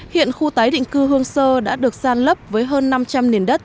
hiện khu tái định cư hương sơ đã được san lấp với hơn năm trăm linh nền đất